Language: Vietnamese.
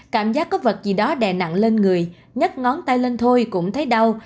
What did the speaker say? cảm giác có vật gì đó đè nặng lên người nhắc ngón tay lên thôi cũng thấy đau